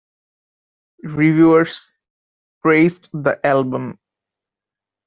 Reviewers praised the album.